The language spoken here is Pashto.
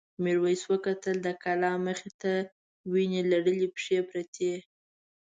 میرويس وکتل د کلا مخې ته وینې لړلې پښې پرتې.